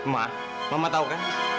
ma mama tahu kan